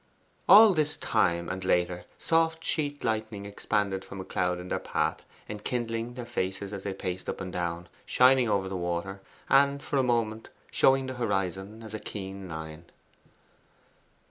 All this time, and later, soft sheet lightning expanded from a cloud in their path, enkindling their faces as they paced up and down, shining over the water, and, for a moment, showing the horizon as a keen line.